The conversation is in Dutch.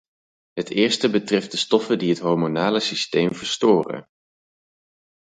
Het eerste betreft de stoffen die het hormonale systeem verstoren.